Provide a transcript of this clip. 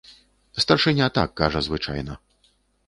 Старшыня так кажа звычайна.